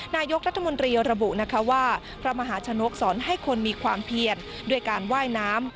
นายกรัฐมนตรีระบุนะคะว่าพระมหาชนกสอนให้คนมีความเพียรด้วยการว่ายน้ำ